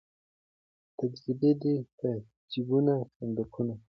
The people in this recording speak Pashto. تجرۍ دي که جېبونه صندوقونه